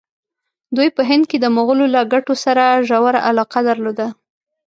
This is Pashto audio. دوی په هند کې د مغولو له ګټو سره ژوره علاقه درلوده.